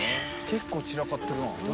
結構散らかってるな。